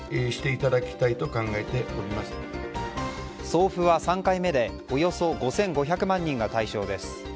送付は３回目でおよそ５５００万人が対象です。